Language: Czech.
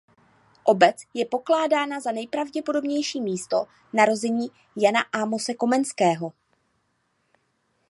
Obec je pokládána za nejpravděpodobnější místo narození Jana Amose Komenského.